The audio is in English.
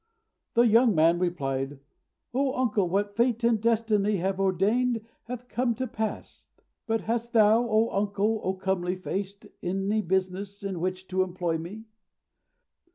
The young man replied, "O uncle, what fate and destiny have ordained hath come to pass. But hast thou, O uncle, O comely faced, any business in which to employ me?"